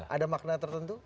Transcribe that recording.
ada makna tertentu